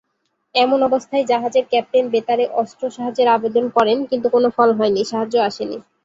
এমন অবস্থায় জাহাজের ক্যাপ্টেন বেতারে অস্ত্র সাহায্যের আবেদন করেন কিন্তু কোনো ফল হয়নি, সাহায্য আসেনি।